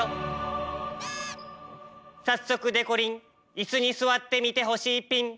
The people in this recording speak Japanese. さっそくでこりんイスにすわってみてほしいピン。